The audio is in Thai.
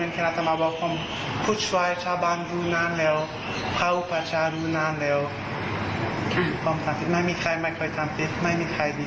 แล้วก็จะย้ายไปอยู่เชียงวัลทันต์๑๕๐เพราะ๒๔เดือน